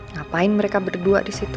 ngapain mereka berdua disitu